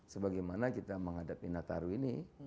sebagaimana kita menghadapi nataru ini